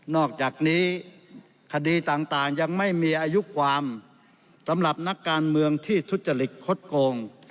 อกจากนี้คดีต่างยังไม่มีอายุความสำหรับนักการเมืองที่ทุจริตคดโกง